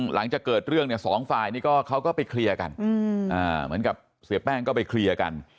หลังจากเกิดเรื่องเนี่ยสองฝ่ายนี่ก็เขาก็ไปเคลียร์กันเหมือนกับเสียแป้งก็ไปเคลียร์กัน